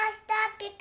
ピカ！